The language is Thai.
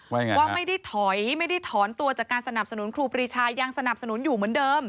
ว่าไม่ได้ถอยไม่ได้ถอนตัวจากการสนับสนุนครูปรีชายังสนับสนุนอยู่เหมือนเดิม